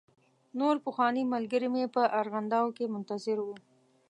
نور پخواني ملګري مې په ارغنداو کې منتظر و.